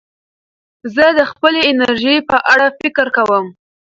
زه د خپلې انرژۍ په اړه فکر کوم.